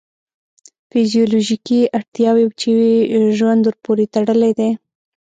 فیزیولوژیکې اړتیاوې چې ژوند ورپورې تړلی دی.